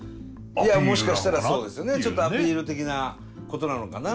いやもしかしたらそうですねちょっとアピール的なことなのかな。